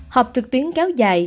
họp trực tuyến kéo dài